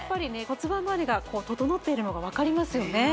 骨盤周りが整っているのが分かりますよね